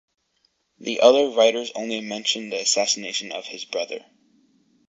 The other writers only mention the assassination of his brother.